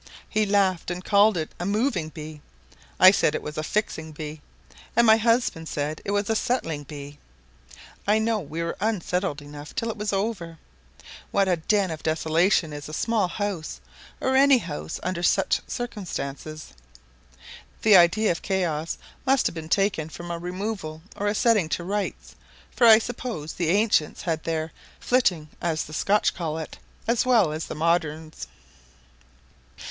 He laughed, and called it a "moving bee;" I said it was a "fixing bee;" and my husband said it was a "settling bee;" I know we were unsettled enough till it was over. What a din of desolation is a small house, or any house under such circumstances. The idea of chaos must have been taken from a removal or a setting to rights, for I suppose the ancients had their flitting, as the Scotch call it, as well as the moderns.